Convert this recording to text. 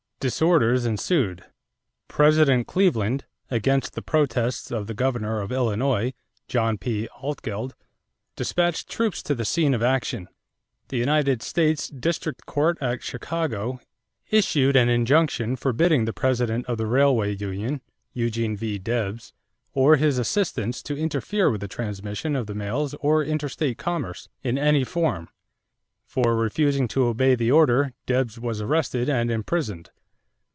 Disorders ensued. President Cleveland, against the protests of the governor of Illinois, John P. Altgeld, dispatched troops to the scene of action. The United States district court at Chicago issued an injunction forbidding the president of the Railway Union, Eugene V. Debs, or his assistants to interfere with the transmission of the mails or interstate commerce in any form. For refusing to obey the order, Debs was arrested and imprisoned.